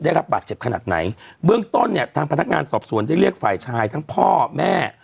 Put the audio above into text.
ได้รับบาดเจ็บขนาดไหนเบื้องต้นเนี่ยทางพนักงานสอบสวนได้เรียกฝ่ายชายทั้งพ่อแม่